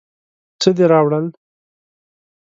څه دې راوړل؟